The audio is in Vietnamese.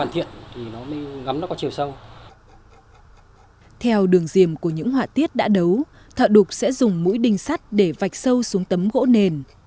theo đường diềm của những họa tiết đã đấu thợ đục sẽ dùng mũi đinh sắt để vạch sâu xuống tấm gỗ nền